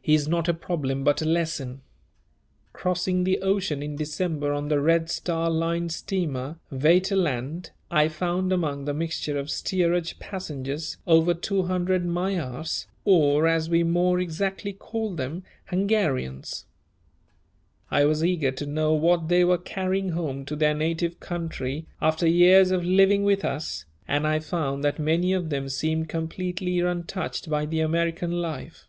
He is not a problem but a lesson. Crossing the ocean in December on the Red Star Line steamer Vaterland, I found among the mixture of steerage passengers over two hundred Magyars, or, as we more exactly call them, Hungarians. I was eager to know what they were carrying home to their native country after years of living with us, and I found that many of them seemed completely untouched by the American life.